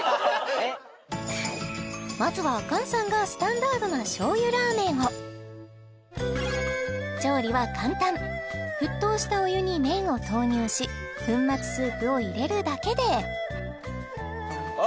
まずは菅さんがスタンダードなしょうゆラーメンを調理は簡単沸騰したお湯に麺を投入し粉末スープを入れるだけであ